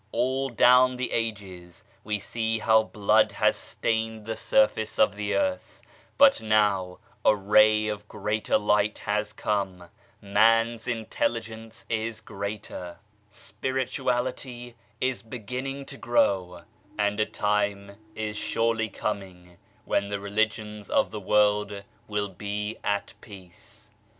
All down the ages we see how blood has stained the surface of the earth ; but now a ray of greater light has come, man's intelligence is greater, spirituality is H H4 PASTOR WAGNER'S CHURCH beginning to grow, and a time is surely coming when the religions of the world will be at peace.